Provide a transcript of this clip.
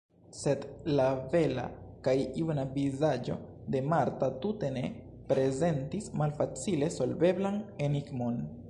Sed la bela kaj juna vizaĝo de Marta tute ne prezentis malfacile solveblan enigmon.